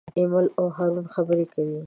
ایمل او هارون خبرې کوي.